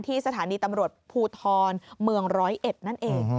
ที่สถานีตำรวจภูทรเมือง๑๐๑นั่นเอง